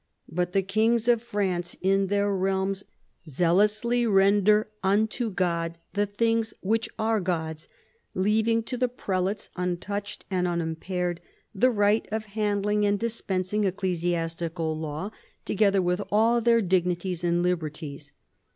But the kings of France in their realms zealously render unto God the things which are God's, leaving to the prelates, untouched and unimpaired, the right of handling and dispensing ecclesiastical law, together with all their dignities and liberties.